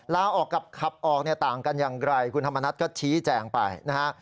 ลาออกกับขับออกเนี่ยต่างกันอย่างไรคุณธรรมนัฐก็ชี้แจงไปนะฮะ